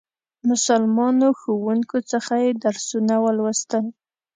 مسلمانو ښوونکو څخه یې درسونه ولوستل.